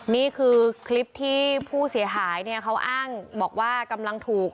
นี่คือคลิปที่ผู้เสียหายเนี่ยเขาอ้างบอกว่ากำลังถูก